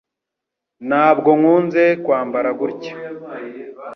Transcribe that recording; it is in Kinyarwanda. Ntabwo nkunze kwambara gutya